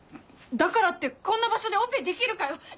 だからってこんな場所でオペできるかよ！